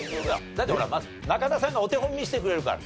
だってほらまず中田さんがお手本見せてくれるから。